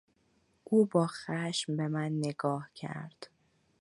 او با خشم بهمن نگاه کرد.